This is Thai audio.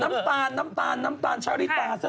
น้ำตาลน้ำตาลน้ำตาลชะริตาซะ